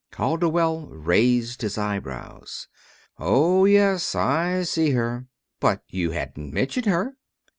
Calderwell raised his eyebrows. "Oh, yes, I see her." "But you hadn't mentioned her."